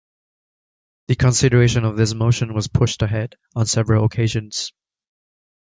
The consideration of this motion was pushed ahead on several occasions.